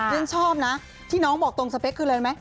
ฉันชอบนะที่น้องบอกตรงสเปคคืออะไรไหม